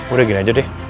udah gini aja deh